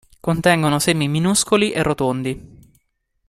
Contengono semi minuscoli e rotondi.